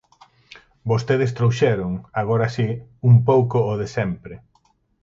Vostedes trouxeron, agora si, un pouco o de sempre.